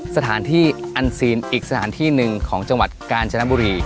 สถานที่อันซีนอีกสถานที่หนึ่งของจังหวัดกาญจนบุรี